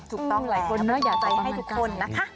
ถูกต้องแหละอยากใจให้ทุกคนนะคะ